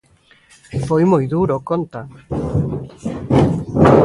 Foi moi duro, conta.